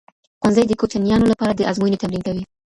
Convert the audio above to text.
ښوونځی د کوچنیانو لپاره د ازمويني تمرین کوي.